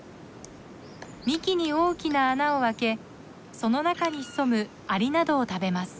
幹に大きな穴を開けその中に潜むアリなどを食べます。